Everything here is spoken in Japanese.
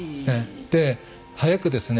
早くですね